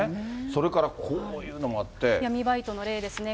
それから、こういうのもあっ闇バイトの例ですね。